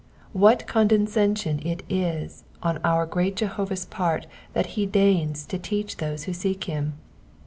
What condescension it is on our great Jehovah^s part that he deigns to teach those who seek him.